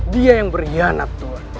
dia yang berkhianat tuhan